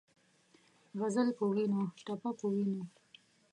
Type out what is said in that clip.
غزل پۀ وینو ، ټپه پۀ وینو